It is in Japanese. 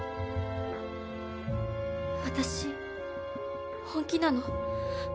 私本気なの。